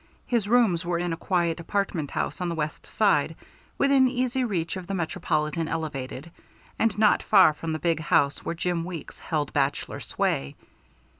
His rooms were in a quiet apartment house on the West Side, within easy reach of the Metropolitan Elevated, and not far from the big house where Jim Weeks held bachelor sway.